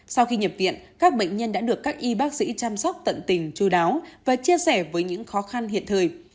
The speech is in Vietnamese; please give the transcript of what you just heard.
sau khi nhập viện các bệnh nhân đã được các y bác sĩ chăm sóc tận tình chú đáo và chia sẻ với những khó khăn hiện thời